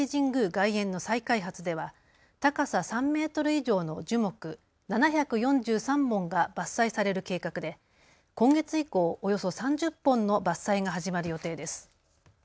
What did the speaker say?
外苑の再開発では高さ３メートル以上の樹木７４３本が伐採される計画で今月以降、およそ３０本の伐採が始まる予定です。